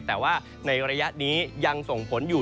แต่ว่าในระยะนี้ยังส่งผลอยู่